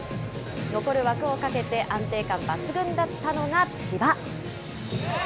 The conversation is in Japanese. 残る枠をかけて安定感抜群だったのが千葉。